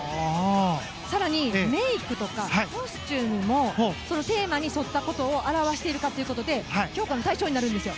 更に、メイクとかコスチュームもテーマに沿ったことを表しているかということで評価の対象になるんですよ。